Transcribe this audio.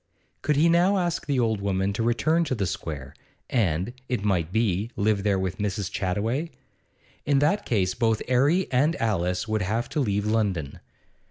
Could he now ask the old woman to return to the Square, and, it might be, live there with Mrs. Chattaway? In that case both 'Arry and Alice would have to leave London.